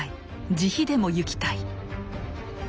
自費でもゆきたい」。